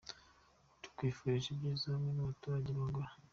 Tukwifurije ibyiza hamwe n’abaturage ba Angola.